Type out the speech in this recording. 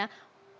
layak untuk kita